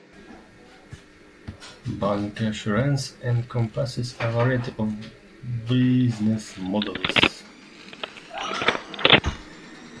Bancassurance encompasses a variety of business models.